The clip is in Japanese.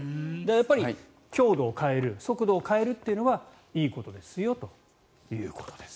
やっぱり強度を変える速度を変えるというのがいいことですよということです。